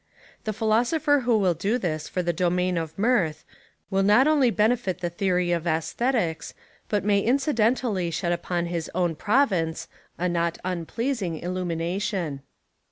The philosopher who will do this for the domain of mirth will not only benefit the theory of aesthetics, but may incidentally shed upon his own province a not unpleasing illumination.